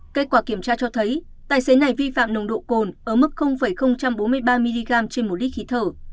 kết quả kiểm tra cho thấy tài xế này vi phạm nồng độ cồn ở mức bốn mươi ba mg trên một lít khí thở